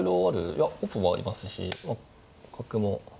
いや本譜もありますしまあ角も。